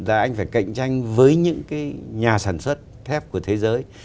là anh phải cạnh tranh với những cái nhà sản xuất thép của thế giới